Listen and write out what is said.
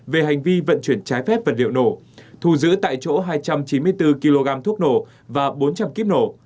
về hành vi vận chuyển trái phép vật liệu nổ thu giữ tại chỗ hai trăm chín mươi bốn kg thuốc nổ và bốn trăm linh kíp nổ